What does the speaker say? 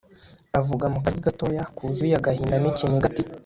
avuga mukajwi gatoya, kuzuye agahinda nikiniga ati